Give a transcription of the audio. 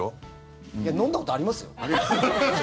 飲んだことありますよ。